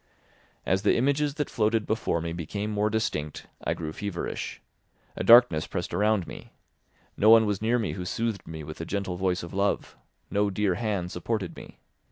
As the images that floated before me became more distinct, I grew feverish; a darkness pressed around me; no one was near me who soothed me with the gentle voice of love; no dear hand supported me.